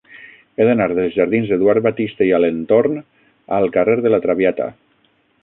He d'anar dels jardins d'Eduard Batiste i Alentorn al carrer de La Traviata.